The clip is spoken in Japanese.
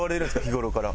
日頃から。